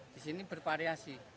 di sini bervariasi